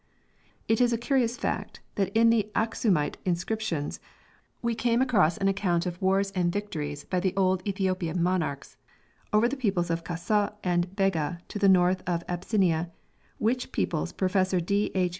It is a curious fact that in the Aksumite inscriptions we come across an account of wars and victories by the old Ethiopian monarchs over the peoples of Kasuh and Bega to the north of Abyssinia, which peoples Professor D. H.